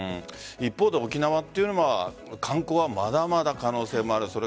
一方で沖縄というのは観光は、まだまだ可能性もある。